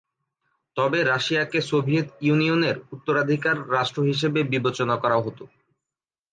তবে রাশিয়াকে সোভিয়েত ইউনিয়নের উত্তরাধিকার রাষ্ট্র হিসেবে বিবেচনা করা হত।